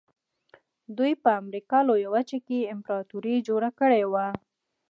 دوی په امریکا لویه وچه کې امپراتوري جوړه کړې وه.